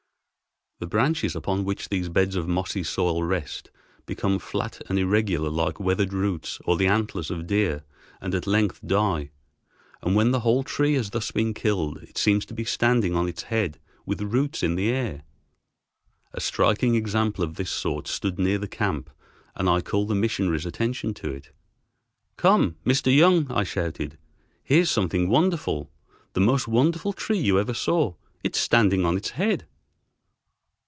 The branches upon which these beds of mossy soil rest become flat and irregular like weathered roots or the antlers of deer, and at length die; and when the whole tree has thus been killed it seems to be standing on its head with roots in the air. A striking example of this sort stood near the camp and I called the missionary's attention to it. "Come, Mr. Young," I shouted. "Here's something wonderful, the most wonderful tree you ever saw; it is standing on its head."